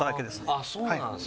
あっそうなんですか。